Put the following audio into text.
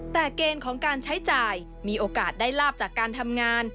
แต่เกณฑ์ของการใช้จ่ายมีโอกาสได้ลาบจากการทำงาน